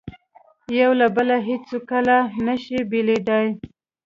یو له بله هیڅکله نه شي بېلېدای.